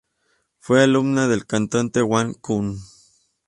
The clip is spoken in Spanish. Fue alumna del cantante Wang Kun.